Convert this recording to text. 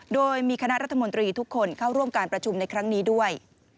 โดยมีคณะรัฐมนตรีทุกคนเข้าร่วมการประชุมในครั้งนี้ด้วย